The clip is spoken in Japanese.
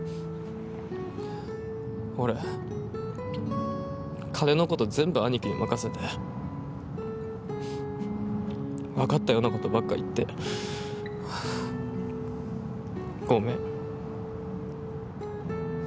俺金のこと全部兄貴に任せてわかったようなことばっか言ってごめん。